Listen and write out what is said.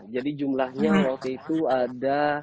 jadi jumlahnya waktu itu ada delapan